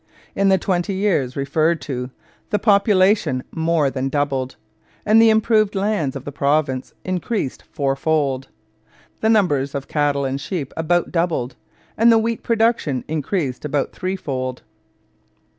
In the twenty years referred to the population more than doubled, and the improved lands of the province increased fourfold. The numbers of cattle and sheep about doubled, and the wheat production increased about threefold.